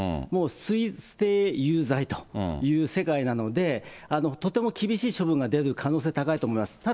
もう推定有罪という世界なので、とても厳しい処分が出る可能性が高いと思います。